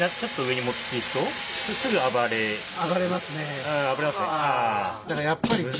暴れますね。